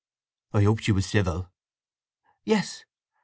"I hope she was civil." "Yes.